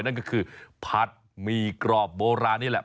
นั่นก็คือผัดหมี่กรอบโบราณนี่แหละ